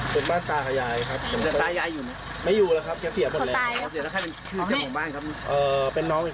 เป็นไงอ่ะเป็นไงอ่ะ